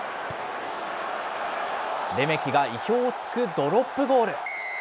レメキが意表をつくドロップゴール。